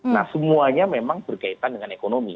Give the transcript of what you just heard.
nah semuanya memang berkaitan dengan ekonomi